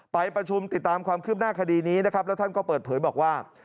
ไปประชุมติดตามความคืบหน้าคดีนี้นะครับแล้วท่านก็เปิดเผยบอกว่า